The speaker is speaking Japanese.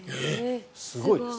すごいです。